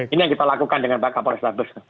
ini yang kita lakukan dengan pak kapol restabes